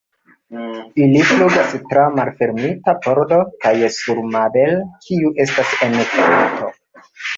Ili flugas tra malfermita pordo kaj sur Mabel, kiu estas en lito.